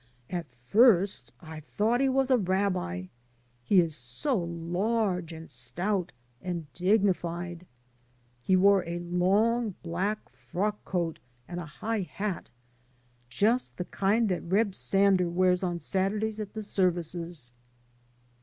At first I thought he was a TOO [rabbi]; he is so large, and stout, and dignified. He wore a long, black frock coat and a high hat — ^just the kind that Reb Sander wears on Saturdays at the 8 it THE PROPHET FROM AMERICA services.